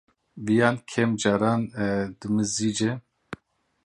Viyan kêm caran dimizice.